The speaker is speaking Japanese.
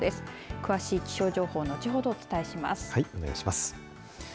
詳しい気象情報後ほどお伝えします。